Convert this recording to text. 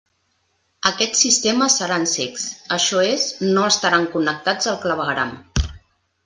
Aquests sistemes seran cecs, això és, no estaran connectats al clavegueram.